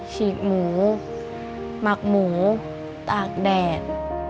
ฉีกหมูหมักหมูตากแดด